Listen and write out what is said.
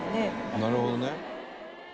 なるほどね。